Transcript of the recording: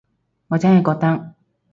我真係覺得